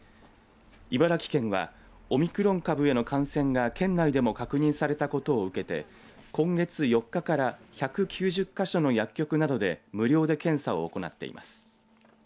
茨城県はオミクロン株への感染が県内でも確認されたことを受けて今月４日から１９０か所の薬局などで無料で検査を行っています。